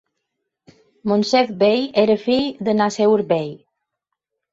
Moncef Bey era fill de Naceur Bey.